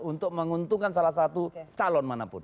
untuk menguntungkan salah satu calon manapun